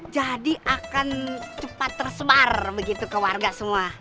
jadi akan cepat tersebar begitu ke warga semua